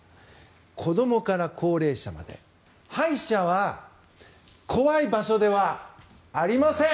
子どもから高齢者まで歯医者は怖い場所ではありません！